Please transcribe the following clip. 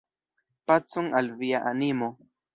Pacon al via animo!